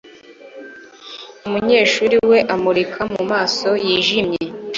umunyeshuri we amurika mumaso yijimye